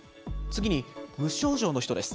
次に、無症状の人です。